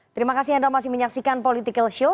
terima kasih anda masih menyaksikan political show